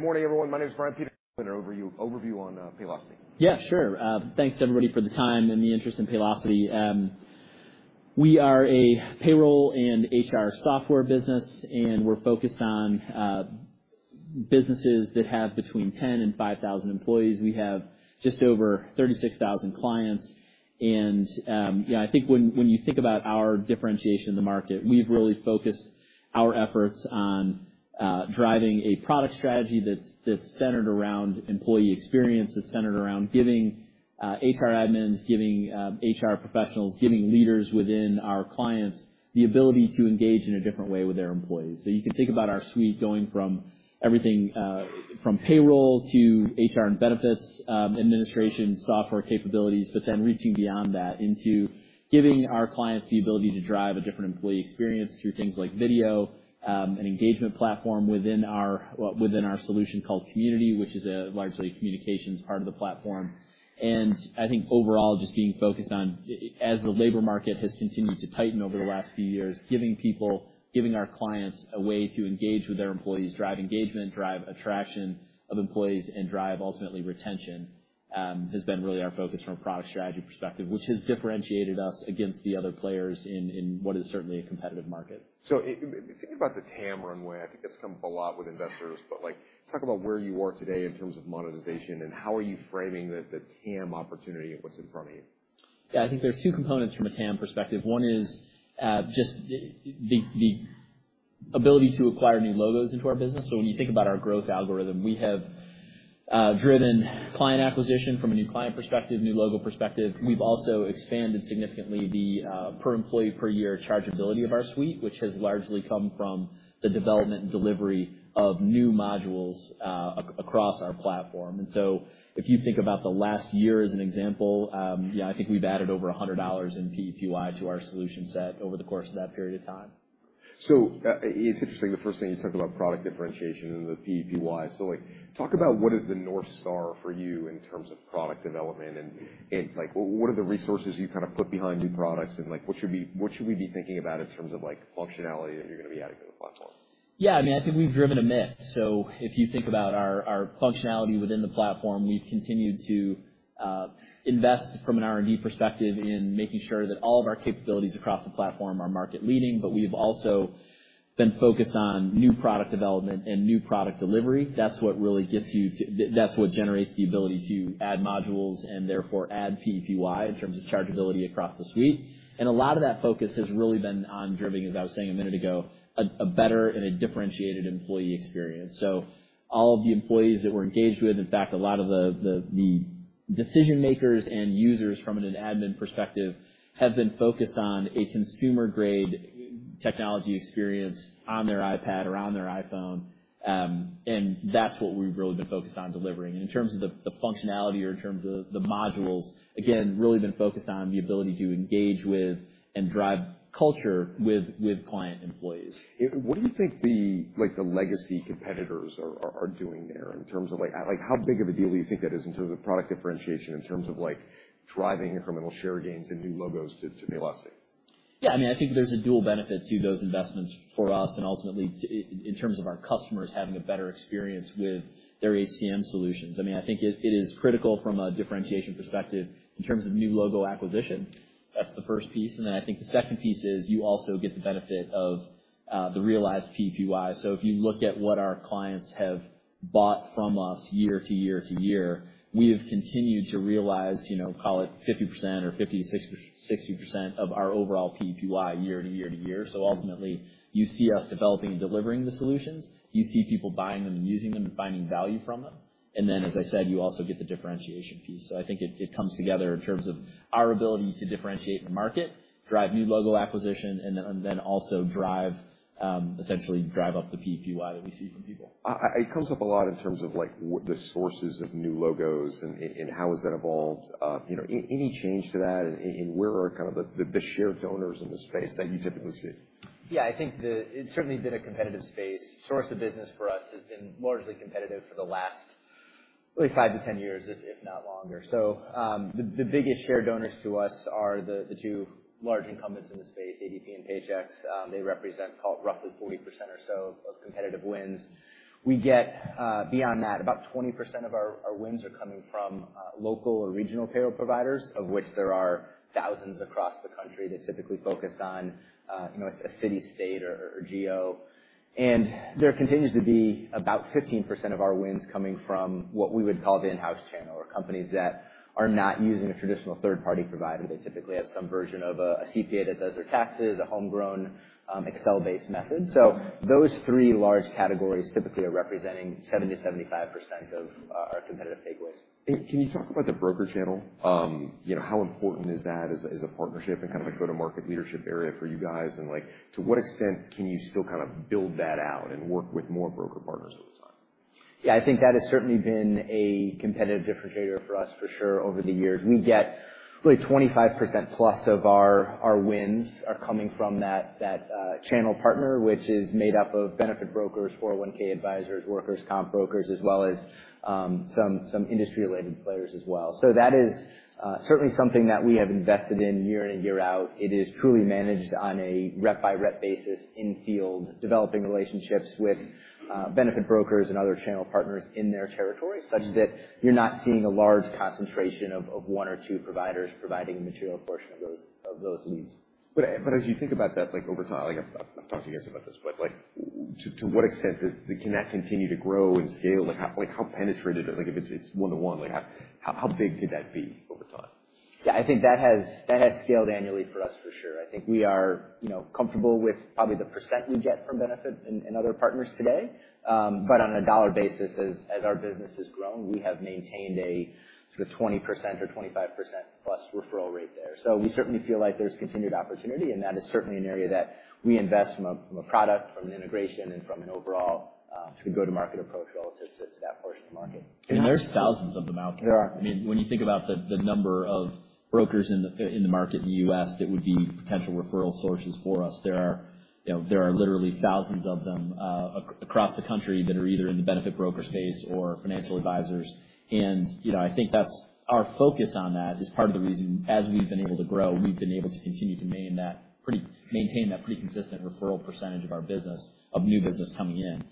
Good morning, everyone. My name is Brian Peterson, overview on Paylocity. Yeah, sure. Thanks, everybody, for the time and the interest in Paylocity. We are a payroll and HR software business, and we're focused on businesses that have between 10 and 5,000 employees. We have just over 36,000 clients. And I think when you think about our differentiation in the market, we've really focused our efforts on driving a product strategy that's centered around employee experience, that's centered around giving HR admins, giving HR professionals, giving leaders within our clients the ability to engage in a different way with their employees. So you can think about our suite going from everything from payroll to HR and benefits administration software capabilities, but then reaching beyond that into giving our clients the ability to drive a different employee experience through things like video, an engagement platform within our solution called Community, which is largely a communications part of the platform. I think overall, just being focused on, as the labor market has continued to tighten over the last few years, giving our clients a way to engage with their employees, drive engagement, drive attraction of employees, and drive ultimately retention has been really our focus from a product strategy perspective, which has differentiated us against the other players in what is certainly a competitive market. So thinking about the TAM runway, I think that's come up a lot with investors, but talk about where you are today in terms of monetization and how are you framing the TAM opportunity and what's in front of you? Yeah, I think there's two components from a TAM perspective. One is just the ability to acquire new logos into our business. So when you think about our growth algorithm, we have driven client acquisition from a new client perspective, new logo perspective. We've also expanded significantly the per-employee, per-year chargeability of our suite, which has largely come from the development and delivery of new modules across our platform. And so if you think about the last year as an example, I think we've added over $100 in PEPY to our solution set over the course of that period of time. It's interesting, the first thing you talked about, product differentiation and the PEPY. Talk about what is the North Star for you in terms of product development, and what are the resources you kind of put behind new products, and what should we be thinking about in terms of functionality that you're going to be adding to the platform? Yeah, I mean, I think we've driven a moat. So if you think about our functionality within the platform, we've continued to invest from an R&D perspective in making sure that all of our capabilities across the platform are market-leading, but we've also been focused on new product development and new product delivery. That's what generates the ability to add modules and therefore add PEPY in terms of chargeability across the suite. And a lot of that focus has really been on driving, as I was saying a minute ago, a better and a differentiated employee experience. So all of the employees that we're engaged with, in fact, a lot of the decision-makers and users from an admin perspective, have been focused on a consumer-grade technology experience on their iPad or on their iPhone. And that's what we've really been focused on delivering. In terms of the functionality or in terms of the modules, again, really been focused on the ability to engage with and drive culture with client employees. What do you think the legacy competitors are doing there in terms of how big of a deal do you think that is in terms of product differentiation, in terms of driving incremental share gains and new logos to Paylocity? Yeah, I mean, I think there's a dual benefit to those investments for us and ultimately in terms of our customers having a better experience with their HCM solutions. I mean, I think it is critical from a differentiation perspective in terms of new logo acquisition. That's the first piece. And then I think the second piece is you also get the benefit of the realized PEPY. So if you look at what our clients have bought from us year to year to year, we have continued to realize, call it 50% or 50%-60% of our overall PEPY year to year to year. So ultimately, you see us developing and delivering the solutions. You see people buying them and using them and finding value from them. And then, as I said, you also get the differentiation piece. I think it comes together in terms of our ability to differentiate in the market, drive new logo acquisition, and then also essentially drive up the PEPY that we see from people. It comes up a lot in terms of the sources of new logos and how has that evolved? Any change to that, and where are kind of the share donors in the space that you typically see? Yeah, I think it's certainly been a competitive space. Source of business for us has been largely competitive for the last really 5-10 years, if not longer. So the biggest share donors to us are the two large incumbents in the space, ADP and Paychex. They represent roughly 40% or so of competitive wins. We get, beyond that, about 20% of our wins are coming from local or regional payroll providers, of which there are thousands across the country that typically focus on a city, state, or geo. And there continues to be about 15% of our wins coming from what we would call the in-house channel or companies that are not using a traditional third-party provider. They typically have some version of a CPA that does their taxes, a homegrown Excel-based method. Those three large categories typically are representing 70%-75% of our competitive takeaways. Can you talk about the broker channel? How important is that as a partnership and kind of a go-to-market leadership area for you guys? And to what extent can you still kind of build that out and work with more broker partners over time? Yeah, I think that has certainly been a competitive differentiator for us, for sure, over the years. We get really 25%+ of our wins are coming from that channel partner, which is made up of benefit brokers, 401(k) advisors, workers' comp brokers, as well as some industry-related players as well. So that is certainly something that we have invested in year in and year out. It is truly managed on a rep-by-rep basis, in-field, developing relationships with benefit brokers and other channel partners in their territory such that you're not seeing a large concentration of one or two providers providing a material portion of those leads. As you think about that over time, I've talked to you guys about this, but to what extent can that continue to grow and scale? How penetrated is it? If it's one-to-one, how big could that be over time? Yeah, I think that has scaled annually for us, for sure. I think we are comfortable with probably the percent we get from benefit and other partners today. But on a dollar basis, as our business has grown, we have maintained a sort of 20% or 25%+ referral rate there. So we certainly feel like there's continued opportunity, and that is certainly an area that we invest from a product, from an integration, and from an overall sort of go-to-market approach relative to that portion of the market. There's thousands of them out there. I mean, when you think about the number of brokers in the market in the U.S. that would be potential referral sources for us, there are literally thousands of them across the country that are either in the benefit broker space or financial advisors. And I think our focus on that is part of the reason, as we've been able to grow, we've been able to continue to maintain that pretty consistent referral percentage of our business, of new business coming in.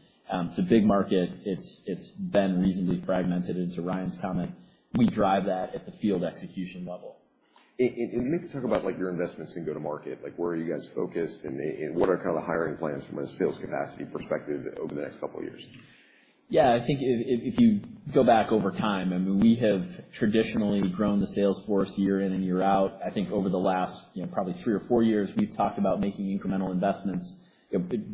It's a big market. It's been reasonably fragmented. And to Ryan's comment, we drive that at the field execution level. Maybe talk about your investments in go-to-market. Where are you guys focused, and what are kind of the hiring plans from a sales capacity perspective over the next couple of years? Yeah, I think if you go back over time, I mean, we have traditionally grown the sales force year in and year out. I think over the last probably three or four years, we've talked about making incremental investments.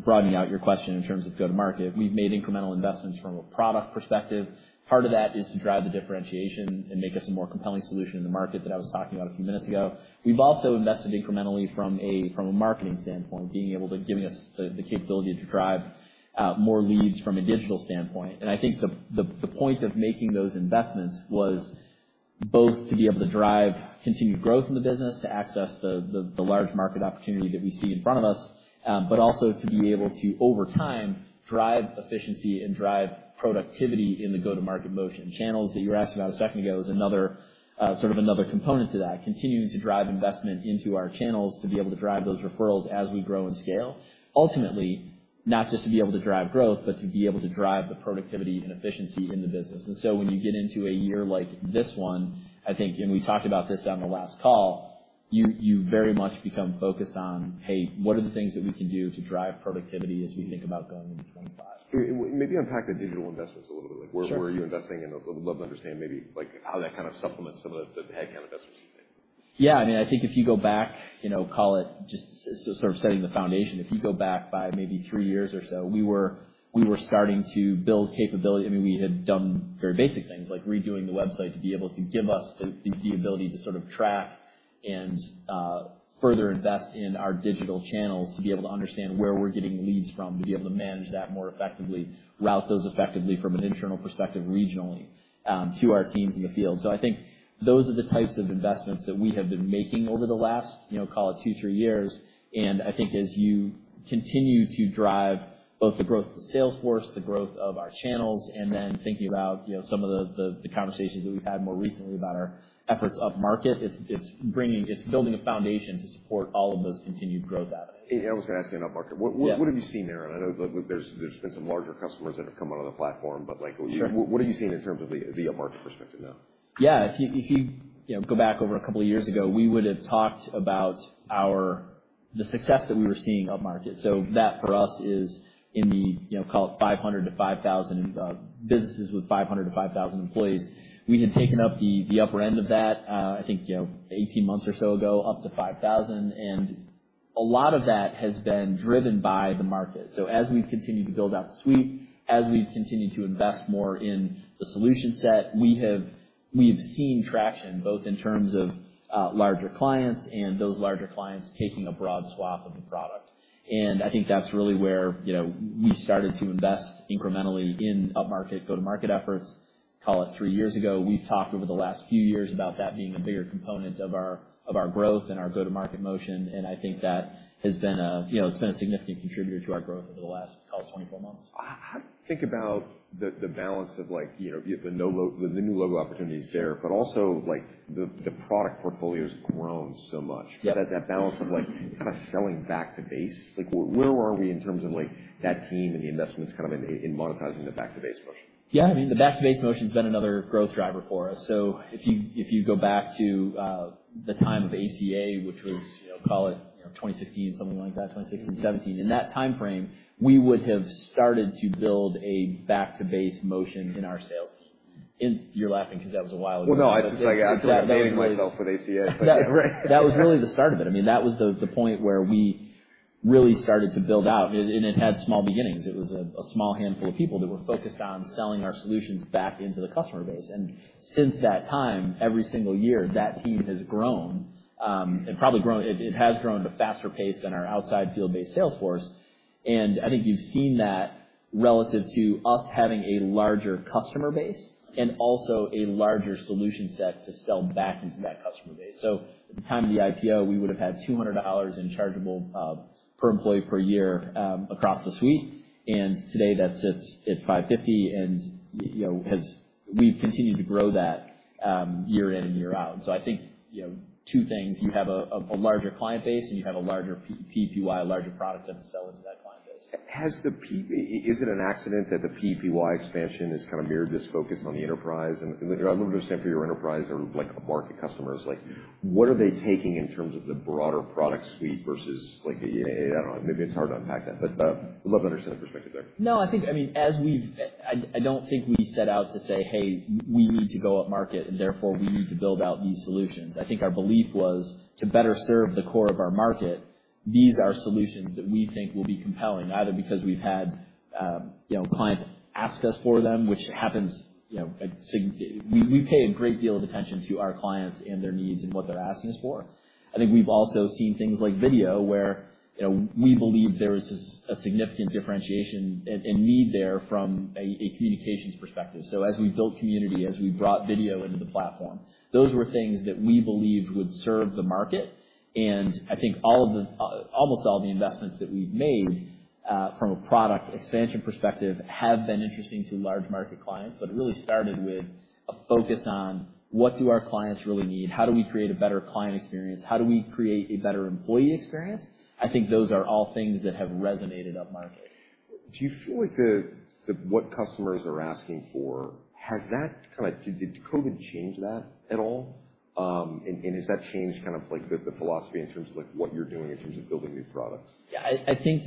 Broadening out your question in terms of go-to-market, we've made incremental investments from a product perspective. Part of that is to drive the differentiation and make us a more compelling solution in the market that I was talking about a few minutes ago. We've also invested incrementally from a marketing standpoint, giving us the capability to drive more leads from a digital standpoint. I think the point of making those investments was both to be able to drive continued growth in the business, to access the large market opportunity that we see in front of us, but also to be able to, over time, drive efficiency and drive productivity in the go-to-market motion. Channels that you were asking about a second ago is sort of another component to that, continuing to drive investment into our channels to be able to drive those referrals as we grow and scale. Ultimately, not just to be able to drive growth, but to be able to drive the productivity and efficiency in the business. And so when you get into a year like this one, I think and we talked about this on the last call, you very much become focused on, "Hey, what are the things that we can do to drive productivity as we think about going into 2025? Maybe unpack the digital investments a little bit. Where are you investing? I'd love to understand maybe how that kind of supplements some of the headcount investments you're making. Yeah, I mean, I think if you go back, call it just sort of setting the foundation, if you go back by maybe three years or so, we were starting to build capability. I mean, we had done very basic things, like redoing the website to be able to give us the ability to sort of track and further invest in our digital channels to be able to understand where we're getting leads from, to be able to manage that more effectively, route those effectively from an internal perspective regionally to our teams in the field. So I think those are the types of investments that we have been making over the last, call it, two, three years. I think as you continue to drive both the growth of the sales force, the growth of our channels, and then thinking about some of the conversations that we've had more recently about our efforts up market, it's building a foundation to support all of those continued growth avenues. I was going to ask you on up market. What have you seen, Ryan? I know there's been some larger customers that have come onto the platform, but what have you seen in terms of the up market perspective now? Yeah, if you go back over a couple of years ago, we would have talked about the success that we were seeing up market. So that, for us, is in the, call it, 500-5,000 businesses with 500-5,000 employees. We had taken up the upper end of that, I think, 18 months or so ago, up to 5,000. And a lot of that has been driven by the market. So as we've continued to build out the suite, as we've continued to invest more in the solution set, we have seen traction both in terms of larger clients and those larger clients taking a broad swath of the product. And I think that's really where we started to invest incrementally in up market, go-to-market efforts, call it, three years ago. We've talked over the last few years about that being a bigger component of our growth and our go-to-market motion. I think that it's been a significant contributor to our growth over the last, call it, 24 months. I think about the balance of the new logo opportunities there, but also the product portfolio has grown so much. That balance of kind of selling back to base, where are we in terms of that team and the investments kind of in monetizing the back-to-base motion? Yeah, I mean, the back-to-base motion has been another growth driver for us. So if you go back to the time of ACA, which was, call it, 2016, something like that, 2016, 2017, in that time frame, we would have started to build a back-to-base motion in our sales team. And you're laughing because that was a while ago. Well, no, I feel like I'm dating myself with ACA. That was really the start of it. I mean, that was the point where we really started to build out. It had small beginnings. It was a small handful of people that were focused on selling our solutions back into the customer base. Since that time, every single year, that team has grown, and probably it has grown at a faster pace than our outside field-based sales force. I think you've seen that relative to us having a larger customer base and also a larger solution set to sell back into that customer base. At the time of the IPO, we would have had $200 in chargeable per employee per year across the suite. Today, that sits at $550. We've continued to grow that year in and year out. I think two things, you have a larger client base, and you have a larger PEPY, a larger product set to sell into that client base. Is it an accident that the PEPY expansion has kind of mirrored this focus on the enterprise? And I'd love to understand for your enterprise or market customers, what are they taking in terms of the broader product suite versus I don't know. Maybe it's hard to unpack that, but I'd love to understand the perspective there. No, I mean, I don't think we set out to say, "Hey, we need to go up market, and therefore, we need to build out these solutions." I think our belief was, to better serve the core of our market, these are solutions that we think will be compelling, either because we've had clients ask us for them, which happens. We pay a great deal of attention to our clients and their needs and what they're asking us for. I think we've also seen things like video where we believe there was a significant differentiation and need there from a communications perspective. So as we built Community, as we brought video into the platform, those were things that we believed would serve the market. And I think almost all the investments that we've made from a product expansion perspective have been interesting to large market clients. It really started with a focus on, what do our clients really need? How do we create a better client experience? How do we create a better employee experience? I think those are all things that have resonated up market. Do you feel like what customers are asking for, has that kind of did COVID change that at all? And has that changed kind of the philosophy in terms of what you're doing in terms of building new products? Yeah, I think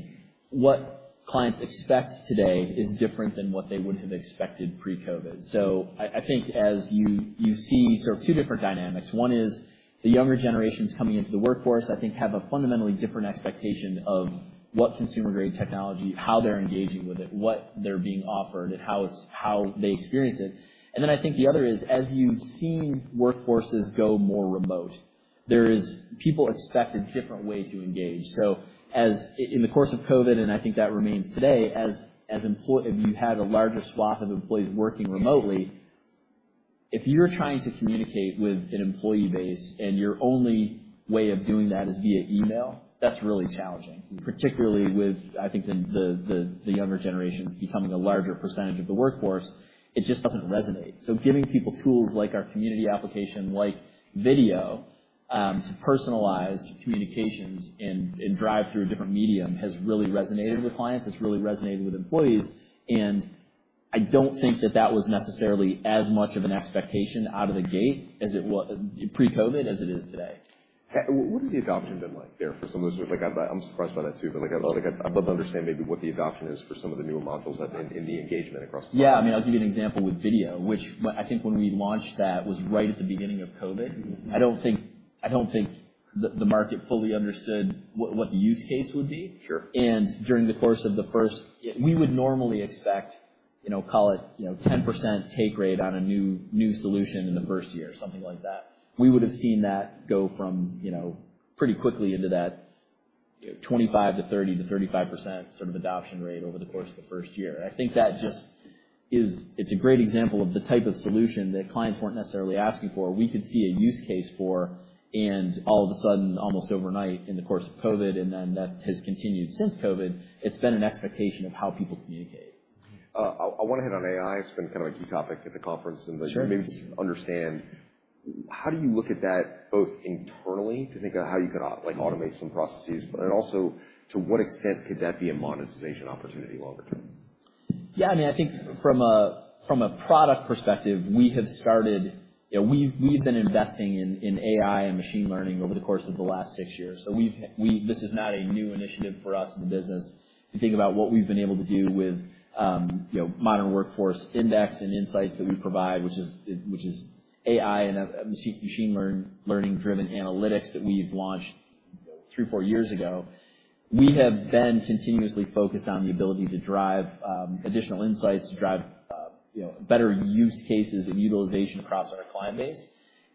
what clients expect today is different than what they would have expected pre-COVID. So I think as you see sort of two different dynamics. One is the younger generations coming into the workforce, I think, have a fundamentally different expectation of what consumer-grade technology, how they're engaging with it, what they're being offered, and how they experience it. And then I think the other is, as you've seen workforces go more remote, people expect a different way to engage. So in the course of COVID, and I think that remains today, if you had a larger swath of employees working remotely, if you're trying to communicate with an employee base and your only way of doing that is via email, that's really challenging, particularly with, I think, the younger generations becoming a larger percentage of the workforce. It just doesn't resonate. So giving people tools like our Community application, like video, to personalize communications and drive through a different medium has really resonated with clients. It's really resonated with employees. And I don't think that that was necessarily as much of an expectation out of the gate pre-COVID as it is today. What has the adoption been like there for some of those? I'm surprised by that too, but I'd love to understand maybe what the adoption is for some of the newer modules in the engagement across the market. Yeah, I mean, I'll give you an example with video, which I think when we launched that was right at the beginning of COVID. I don't think the market fully understood what the use case would be. And during the course of the first we would normally expect, call it, 10% take rate on a new solution in the first year, something like that. We would have seen that go from pretty quickly into that 25% to 30% to 35% sort of adoption rate over the course of the first year. And I think that just is it's a great example of the type of solution that clients weren't necessarily asking for. We could see a use case for, and all of a sudden, almost overnight, in the course of COVID, and then that has continued since COVID, it's been an expectation of how people communicate. I want to hit on AI. It's been kind of a key topic at the conference. Maybe just understand, how do you look at that both internally to think about how you could automate some processes, but also to what extent could that be a monetization opportunity longer term? Yeah, I mean, I think from a product perspective, we've been investing in AI and machine learning over the course of the last 6 years. So this is not a new initiative for us in the business to think about what we've been able to do with Modern Workforce Index and insights that we provide, which is AI and machine learning-driven analytics that we've launched 3, 4 years ago. We have been continuously focused on the ability to drive additional insights, to drive better use cases and utilization across our client base.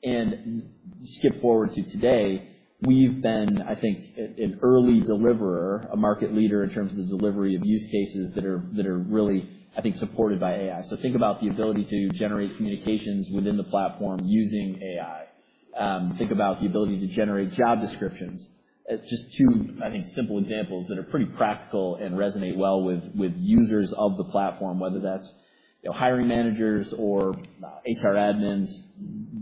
And skip forward to today, we've been, I think, an early deliverer, a market leader in terms of the delivery of use cases that are really, I think, supported by AI. So think about the ability to generate communications within the platform using AI. Think about the ability to generate job descriptions. Just two, I think, simple examples that are pretty practical and resonate well with users of the platform, whether that's hiring managers or HR admins.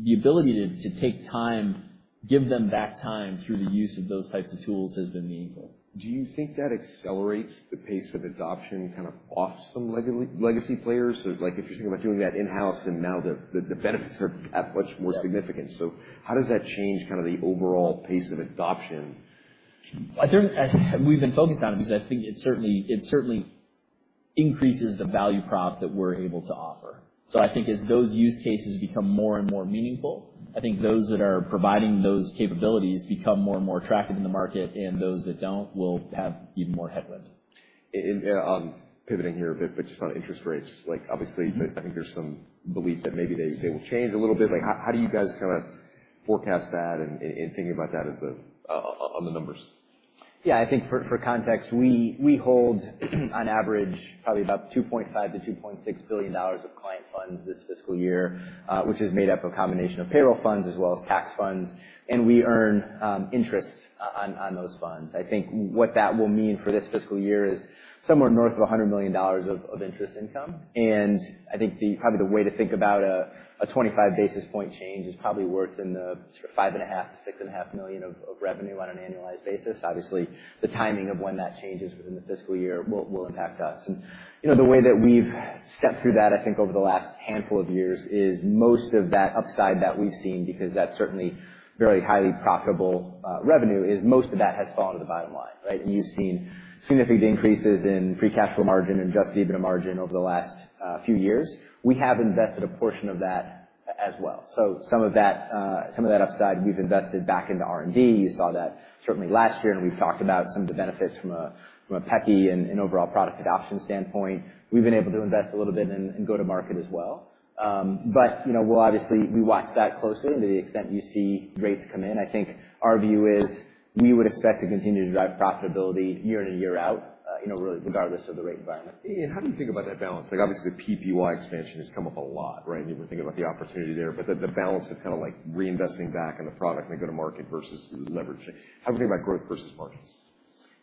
The ability to take time, give them back time through the use of those types of tools has been meaningful. Do you think that accelerates the pace of adoption kind of off some legacy players? So if you're thinking about doing that in-house and now the benefits are that much more significant. So how does that change kind of the overall pace of adoption? We've been focused on it because I think it certainly increases the value prop that we're able to offer. So I think as those use cases become more and more meaningful, I think those that are providing those capabilities become more and more attractive in the market. And those that don't will have even more headwind. Pivoting here a bit, but just on interest rates, obviously, I think there's some belief that maybe they will change a little bit. How do you guys kind of forecast that and thinking about that on the numbers? Yeah, I think for context, we hold, on average, probably about $2.5-$2.6 billion of client funds this fiscal year, which is made up of a combination of payroll funds as well as tax funds. We earn interest on those funds. I think what that will mean for this fiscal year is somewhere north of $100 million of interest income. I think probably the way to think about a 25 basis point change is probably worth in the sort of $5.5-$6.5 million of revenue on an annualized basis. Obviously, the timing of when that changes within the fiscal year will impact us. The way that we've stepped through that, I think, over the last handful of years, is most of that upside that we've seen because that's certainly very highly profitable revenue is most of that has fallen to the bottom line, right? And you've seen significant increases in pre-tax margin and adjusted margin over the last few years. We have invested a portion of that as well. So some of that upside, we've invested back into R&D. You saw that certainly last year. And we've talked about some of the benefits from a PEPY and overall product adoption standpoint. We've been able to invest a little bit in go-to-market as well. But we'll obviously watch that closely. To the extent you see rates come in, I think our view is we would expect to continue to drive profitability year in and year out, really, regardless of the rate environment. How do you think about that balance? Obviously, the PEPY expansion has come up a lot, right? You were thinking about the opportunity there. The balance of kind of reinvesting back in the product and the go-to-market versus leveraging, how do you think about growth versus margins?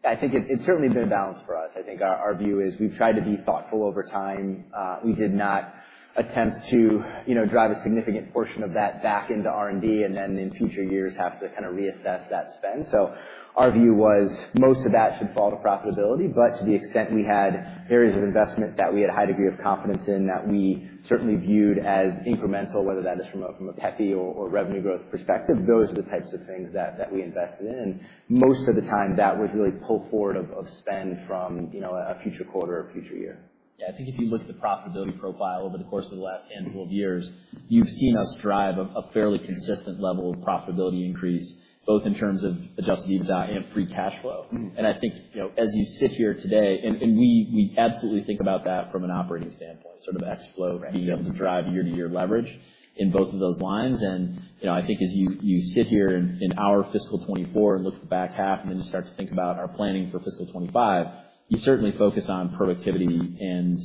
Yeah, I think it's certainly been a balance for us. I think our view is we've tried to be thoughtful over time. We did not attempt to drive a significant portion of that back into R&D and then in future years have to kind of reassess that spend. So our view was most of that should fall to profitability. But to the extent we had areas of investment that we had a high degree of confidence in that we certainly viewed as incremental, whether that is from a PEPY or revenue growth perspective, those are the types of things that we invested in. And most of the time, that was really pull forward of spend from a future quarter or future year. Yeah. I think if you look at the profitability profile over the course of the last handful of years, you've seen us drive a fairly consistent level of profitability increase both in terms of Adjusted EBITDA and Free Cash Flow. And I think as you sit here today and we absolutely think about that from an operating standpoint, sort of ex-float being able to drive year-to-year leverage in both of those lines. And I think as you sit here in our fiscal 2024 and look at the back half, and then you start to think about our planning for fiscal 2025, you certainly focus on productivity and,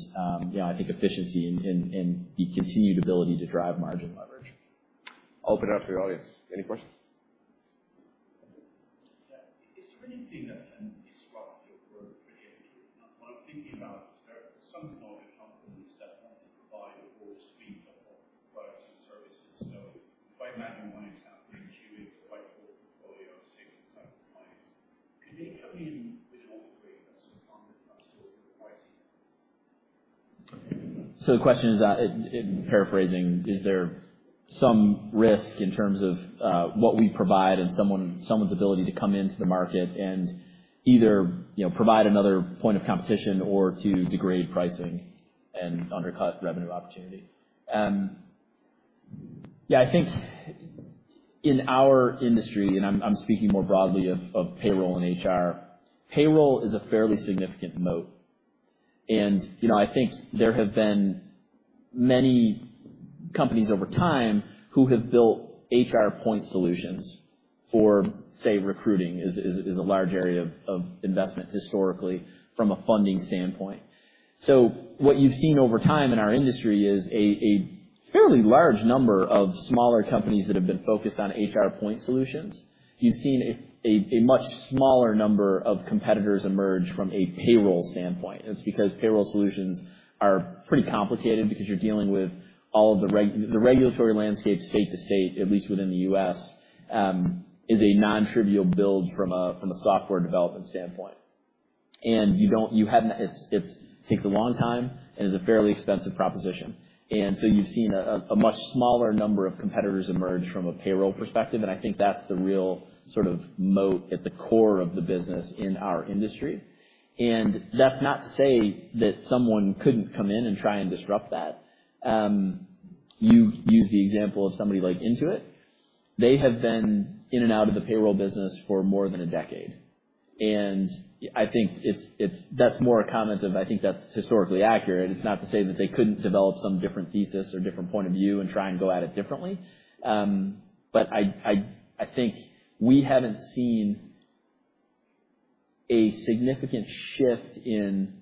I think, efficiency and the continued ability to drive margin leverage. I'll open it up to the audience. Any questions? Is there anything that can disrupt your growth projections? What I'm thinking about is there's some technology companies that want to provide a broader suite of products and services. So if I imagine one is now 32, it's quite a portfolio of six types of clients. Could they come in with an offering that's competitive with us or your pricing? So the question is, paraphrasing, is there some risk in terms of what we provide and someone's ability to come into the market and either provide another point of competition or to degrade pricing and undercut revenue opportunity? Yeah, I think in our industry, and I'm speaking more broadly of payroll and HR, payroll is a fairly significant moat. And I think there have been many companies over time who have built HR point solutions for, say, recruiting, is a large area of investment historically from a funding standpoint. So what you've seen over time in our industry is a fairly large number of smaller companies that have been focused on HR point solutions. You've seen a much smaller number of competitors emerge from a payroll standpoint. It's because payroll solutions are pretty complicated because you're dealing with all of the regulatory landscape state to state, at least within the U.S., is a non-trivial build from a software development standpoint. And what it takes a long time and is a fairly expensive proposition. And so you've seen a much smaller number of competitors emerge from a payroll perspective. And I think that's the real sort of moat at the core of the business in our industry. And that's not to say that someone couldn't come in and try and disrupt that. You use the example of somebody like Intuit. They have been in and out of the payroll business for more than a decade. And I think that's more a comment of I think that's historically accurate. It's not to say that they couldn't develop some different thesis or different point of view and try and go at it differently. But I think we haven't seen a significant shift in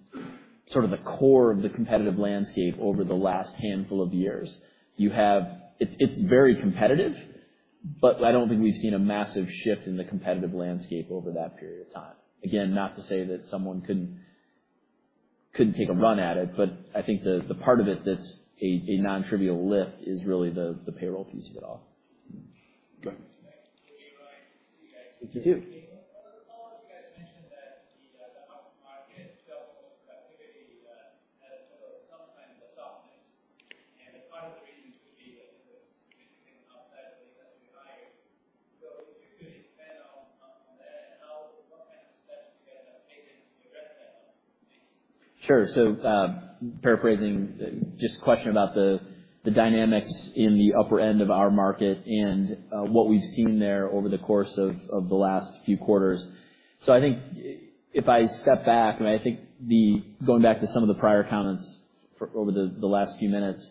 sort of the core of the competitive landscape over the last handful of years. It's very competitive, but I don't think we've seen a massive shift in the competitive landscape over that period of time. Again, not to say that someone couldn't take a run at it, but I think the part of it that's a non-trivial lift is really the payroll piece of it all. Good. You too. You guys mentioned that the upmarket doubles productivity as well as sometimes the softness. And part of the reasons would be that there was significant upside when the industry hires. So if you could expand on that, what kind of steps do you guys have taken to address that? Sure. So, paraphrasing, just a question about the dynamics in the upper end of our market and what we've seen there over the course of the last few quarters. So, I think if I step back, I mean, I think going back to some of the prior comments over the last few minutes,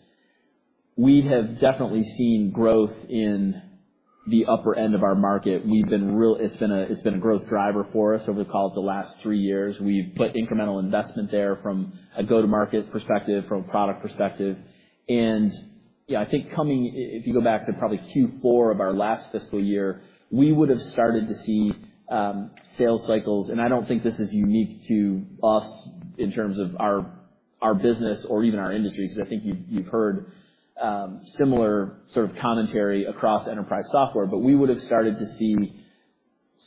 we have definitely seen growth in the upper end of our market. It's been a growth driver for us over, call it, the last three years. We've put incremental investment there from a go-to-market perspective, from a product perspective. And I think coming if you go back to probably Q4 of our last fiscal year, we would have started to see sales cycles, and I don't think this is unique to us in terms of our business or even our industry because I think you've heard similar sort of commentary across enterprise software. But we would have started to see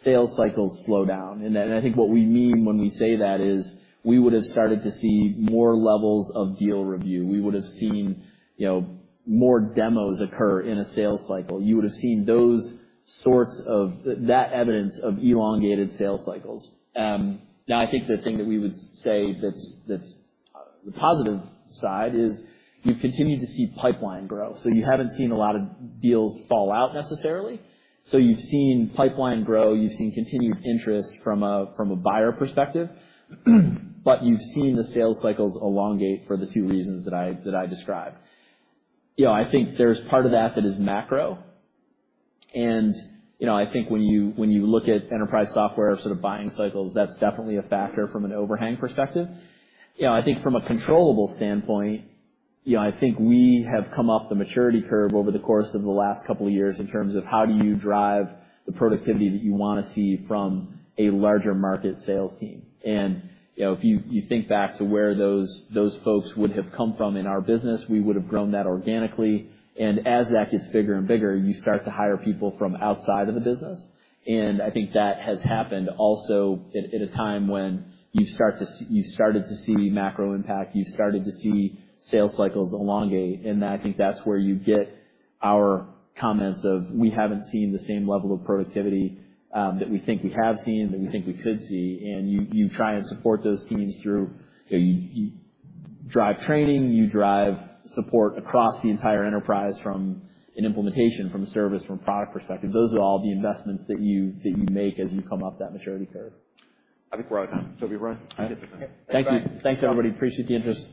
sales cycles slow down. And I think what we mean when we say that is we would have started to see more levels of deal review. We would have seen more demos occur in a sales cycle. You would have seen those sorts of that evidence of elongated sales cycles. Now, I think the thing that we would say that's the positive side is you've continued to see pipeline grow. So you haven't seen a lot of deals fall out necessarily. So you've seen pipeline grow. You've seen continued interest from a buyer perspective. But you've seen the sales cycles elongate for the two reasons that I described. I think there's part of that that is macro. And I think when you look at enterprise software sort of buying cycles, that's definitely a factor from an overhang perspective. I think from a controllable standpoint, I think we have come up the maturity curve over the course of the last couple of years in terms of how do you drive the productivity that you want to see from a larger market sales team. If you think back to where those folks would have come from in our business, we would have grown that organically. As that gets bigger and bigger, you start to hire people from outside of the business. I think that has happened also at a time when you've started to see macro impact. You've started to see sales cycles elongate. I think that's where you get our comments of we haven't seen the same level of productivity that we think we have seen, that we think we could see. You try and support those teams through you drive training. You drive support across the entire enterprise from an implementation, from a service, from a product perspective. Those are all the investments that you make as you come up that maturity curve. I think we're out of time. Toby, Ryan? Thank you. Thanks, everybody. Appreciate the interest.